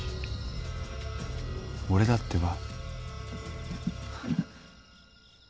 俺だってば。